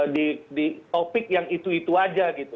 kita mau katakanlah di topik yang itu itu aja gitu